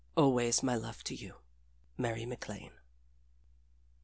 Always my love to you. MARY MACLANE.